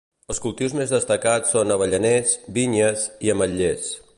Els cultius més destacats són avellaners, vinyes i ametllers.